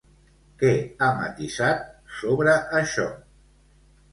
Què ha matisat sobre això?